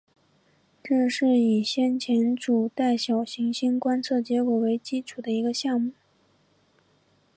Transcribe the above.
这是以先前主带小行星观测结果为基础的一个项目。